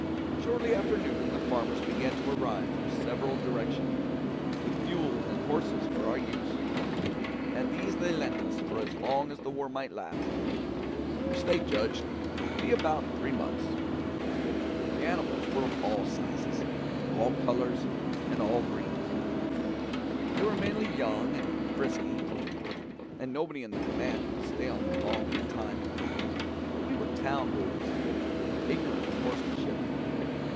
Shortly after noon the farmers began to arrive from several directions, with mules and horses for our use, and these they lent us for as long as the war might last, which they judged would be about three months. The animals were of all sizes, all colours, and all breeds. They were mainly young and frisky, and nobody in the command could stay on them long at a time; for we were town boys, and ignorant of horsemanship.